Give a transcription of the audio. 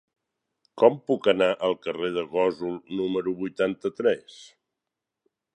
Com puc anar al carrer de Gósol número vuitanta-tres?